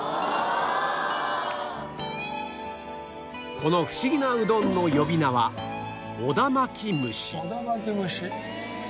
このフシギなうどんの呼び名は小田巻き蒸し。